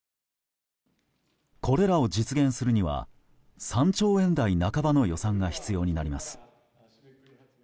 これらを実現するには３兆円台半ばの予算が必要になります。